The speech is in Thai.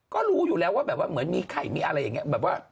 ก็รู้อยู่แล้วว่าแบบว่าเหมือนมีไข่มีอะไรอย่างนี้แบบว่า